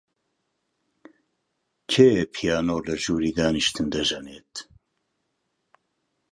کێیە پیانۆ لە ژووری دانیشتن دەژەنێت؟